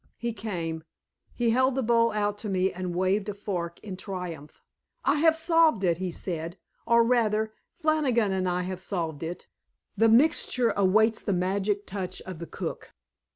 He came. He held the bowl out to me and waved a fork in triumph. "I have solved it," he said. "Or, rather, Flannigan and I have solved it. The mixture awaits the magic touch of the cook."